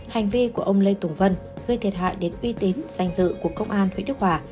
hành vi của ông lê tùng vân gây thiệt hại đến uy tín danh dự của công an huyện đức hòa